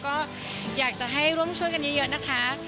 ก็อยากจะให้ร่วมช่วยกันเยอะนะคะ